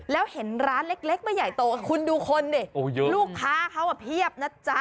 แล้วเห็นร้านเล็กไม่ใหญ่โตคุณดูคนดิลูกค้าเขาเพียบนะจ๊ะ